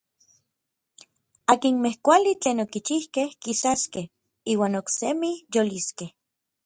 Akinmej kuali tlen okichijkej kisaskej iuan oksemi yoliskej.